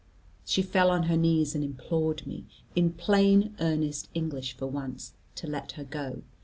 She fell on her knees and implored me, in plain earnest English for once, to let her go.